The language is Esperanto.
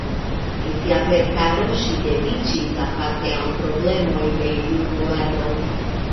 En sia verkaro ŝi dediĉis aparte al problemoj de junularo.